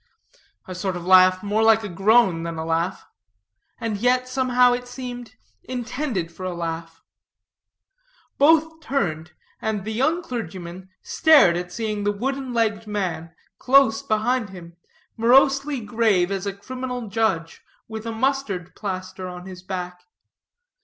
A sort of laugh more like a groan than a laugh; and yet, somehow, it seemed intended for a laugh. Both turned, and the young clergyman started at seeing the wooden legged man close behind him, morosely grave as a criminal judge with a mustard plaster on his back.